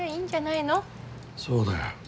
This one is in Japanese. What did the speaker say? そうだよ。